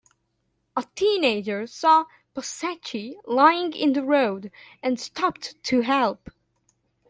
A teenager saw Pocceschi lying in the road and stopped to help.